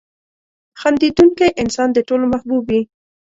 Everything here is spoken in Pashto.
• خندېدونکی انسان د ټولو محبوب وي.